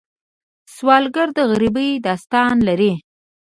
سوالګر د غریبۍ داستان لري